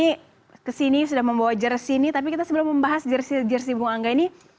ini kesini sudah membawa jersi ini tapi kita sebelum membahas jersi jersi bung angga ini